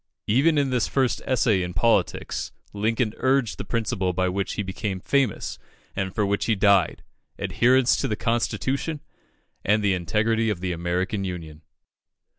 Even in this first essay in politics, Lincoln urged the principle by which he became famous, and for which he died adherence to the constitution and the integrity of the American Union.